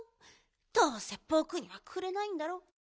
どうせぼくにはくれないんだろ。